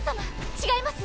違います。